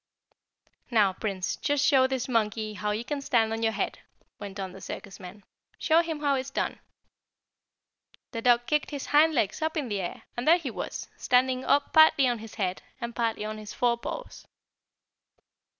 "Now, Prince, just show this monkey how you can stand on your head," went on the circus man. "Show him how it's done." The dog kicked his hind legs up in the air, and there he was, standing up partly on his head, and partly on his forepaws.